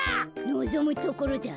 のぞむところだ。